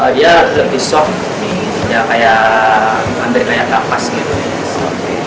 dia lebih soft ya kayak ngantri kayak kapas gitu